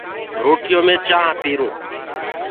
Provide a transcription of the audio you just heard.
روٽيو مين چآنه پيهرون